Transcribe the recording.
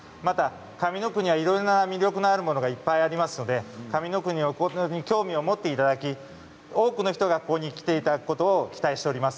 上ノ国はいろいろ魅力あるものがいっぱいあるので興味を持っていただき多くの人がここに来ていただくことを期待しています。